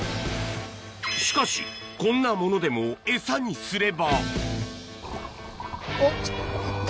しかしこんなものでもエサにすればおっいった？